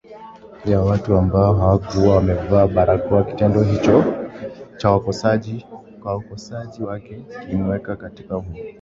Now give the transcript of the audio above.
ya watu ambao hawakuwa wamevaa barakoaKitendo hicho kwa wakosoaji wake kilimweka katika kundi